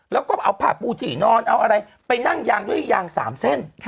แล้วก็เอาผ้าปูที่นอนเอาอะไรไปนั่งยางด้วยยาง๓เส้น